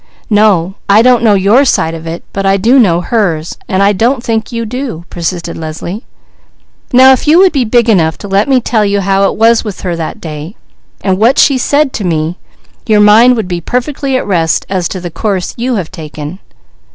"No, I don't know your side of it; but I do know hers, and I don't think you do," persisted Leslie. "Now if you would be big enough to let me tell you how it was with her that day, and what she said to me, your mind would be perfectly at rest as to the course you have taken."